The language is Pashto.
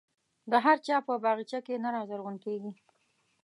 د هر چا په باغچه کې نه رازرغون کېږي.